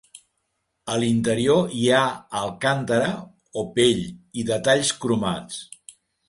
A l'interior hi ha Alcantara o pell, i detalls cromats.